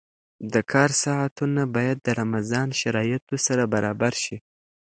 د کار ساعتونه باید د رمضان شرایطو سره برابر شي.